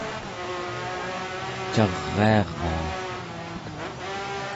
cariaraa